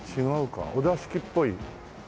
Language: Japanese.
お座敷っぽいねえ。